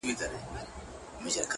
ورځه وريځي نه جلا سوله نن.!